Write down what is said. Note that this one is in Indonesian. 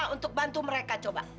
untuk bantu mereka coba